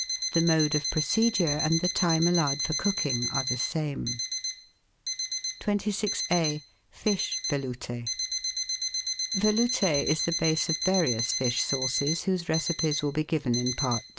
The mode of procedure and the time allowed for cooking are the same. 26a— FISH VELOUTE Velout^ is the base of various fish sauces whose recipes will be given in Part II.